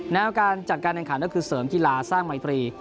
การจัดการแข่งขันก็คือเสริมกีฬาสร้างไมตรี